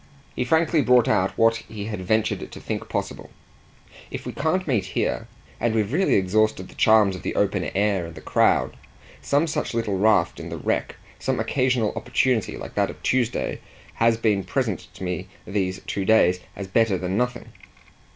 He frankly brought out what he had ventured to think possible. "If we can't meet here and we've really exhausted the charms of the open air and the crowd, some such little raft in the wreck, some occasional opportunity like that of Tuesday, has been present to me these two days as better than nothing.